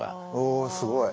おすごい。